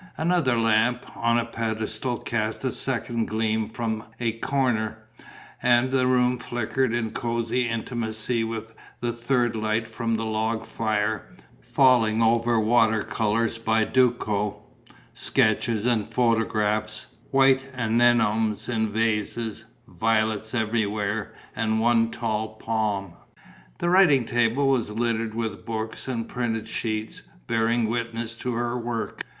Another lamp, on a pedestal, cast a second gleam from a corner; and the room flickered in cosy intimacy with the third light from the log fire, falling over water colours by Duco, sketches and photographs, white anenomes in vases, violets everywhere and one tall palm. The writing table was littered with books and printed sheets, bearing witness to her work.